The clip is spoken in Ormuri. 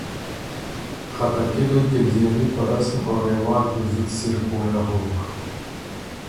خه ته کِلئ کِلځېری په رسم او رواج بُو زُت سِر پویٛ اغوک۔